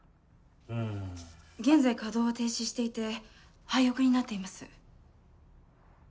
うん現在稼働は停止していて廃屋になっています